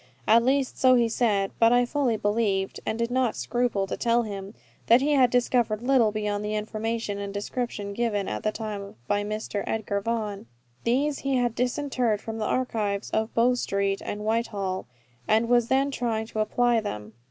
At least, so he said; but I fully believed, and did not scruple to tell him, that he had discovered little beyond the information and description given at the time by Mr. Edgar Vaughan. These he had disinterred from the archives of Bow Street and Whitehall, and was then trying to apply them.